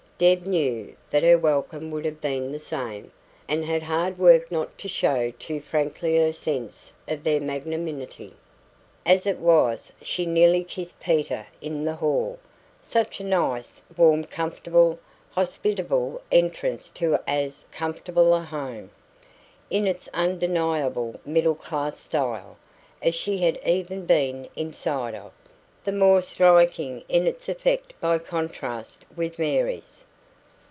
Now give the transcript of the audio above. Deb knew that her welcome would have been the same, and had hard work not to show too frankly her sense of their magnanimity. As it was, she nearly kissed Peter in the hall such a nice, warm, comfortable, hospitable entrance to as comfortable a home (in its undeniably middle class style) as she had ever been inside of the more striking in its effect by contrast with Mary's.